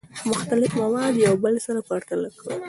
مختلف مواد یو بل سره پرتله کړئ.